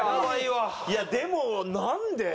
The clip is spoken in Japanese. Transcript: いやでもなんで？